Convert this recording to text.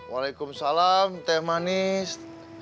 waalaikumsalam teh manis